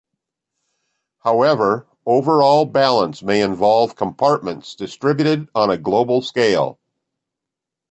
However, overall balance may involve compartments distributed on a global scale.